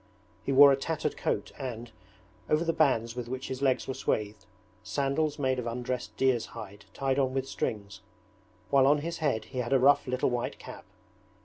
He wore a tattered coat and, over the bands with which his legs were swathed, sandals made of undressed deer's hide tied on with strings; while on his head he had a rough little white cap.